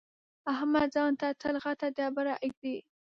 احمد ځان ته تل غټه ډبره اېږدي.